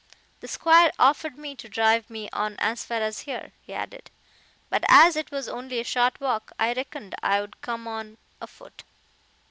"The Squire offered to drive me on as far as here," he added; "but as it was only a short walk I reckoned I'd come on afoot."